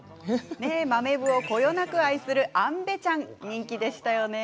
まめぶを、こよなく愛する安部ちゃん人気でしたよね。